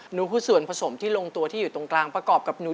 หนูคือส่วนผสมที่ลงตัวที่อยู่ตรงกลางประกอบกับหนู